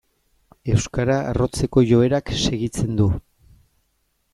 Euskara arrotzeko joerak segitzen du.